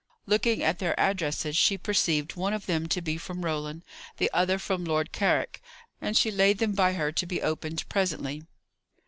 Looking at their addresses, she perceived one of them to be from Roland; the other from Lord Carrick: and she laid them by her to be opened presently.